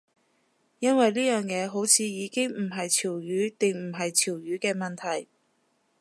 因為呢樣嘢好似已經唔係潮語定唔係潮語嘅問題